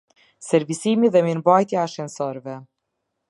Servisimi dhe mirëmbajtja e ashensoreve